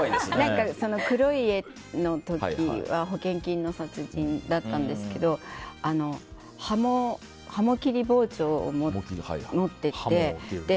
その時は保険金の殺人だったんですがハモ切り包丁を持ってて。